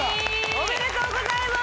おめでとうございます！